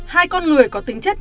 hai con người có tính chất